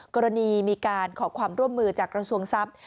กรณีมีการขอความร่วมมือจากกระทรวงทรัพย์